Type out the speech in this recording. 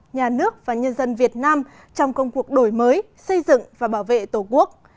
nhà nước và nhân dân việt nam trong công cuộc đổi mới xây dựng và bảo vệ tổ quốc